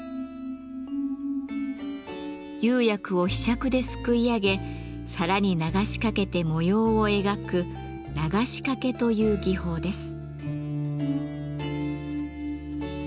釉薬をひしゃくですくい上げ皿に流しかけて模様を描く「流しかけ」という技法です。